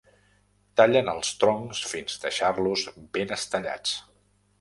Tallen els troncs fins deixar-los ben estellats.